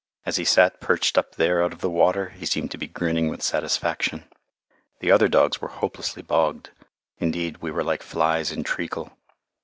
As he sat perched up there out of the water he seemed to be grinning with satisfaction. The other dogs were hopelessly bogged. Indeed, we were like flies in treacle.